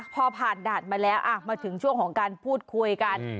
พอผ่านด่านมาแล้วมาถึงช่วงของการพูดคุยกัน